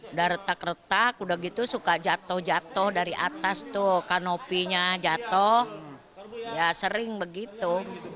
udah retak retak udah gitu suka jatuh jatuh dari atas tuh kanopinya jatuh ya sering begitu